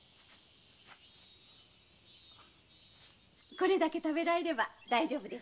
これだけ食べられれば大丈夫。